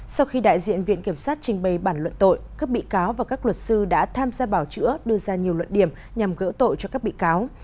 sau khi đại diện viện kiểm sát trình bày bản luận tội các bị cáo và các luật sư đã tham gia bảo chữa đưa ra nhiều luận điểm nhằm gỡ tội cho các bị cáo